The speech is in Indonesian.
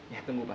ya tunggu pak